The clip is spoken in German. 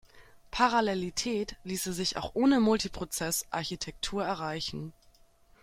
Parallelität ließe sich auch ohne Multiprozess-Architektur erreichen.